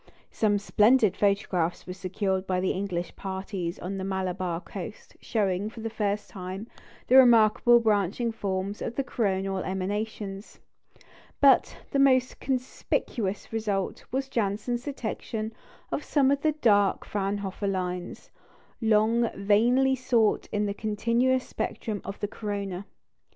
Some splendid photographs were secured by the English parties on the Malabar coast, showing, for the first time, the remarkable branching forms of the coronal emanations; but the most conspicuous result was Janssen's detection of some of the dark Fraunhofer lines, long vainly sought in the continuous spectrum of the corona.